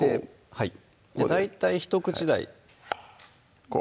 はい大体ひと口大こう？